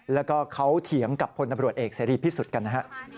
แล้วก็เขาเถียงกับคนอำรวจเอกซีรีส์พิสุทธิ์กัน